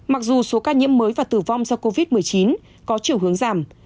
mặc dù số ca nhiễm mới và tử vong do covid một mươi chín có chiều hướng giảm